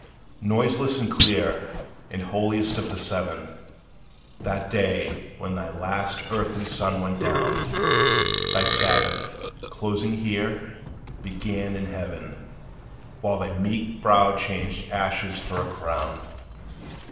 Noiseless, and clear, and holiest of the seven, That day when thy last earthly sun went down: Thy Sabbath, closing here, began in heaven; Whilst thy meek brow changed ashes for a crown.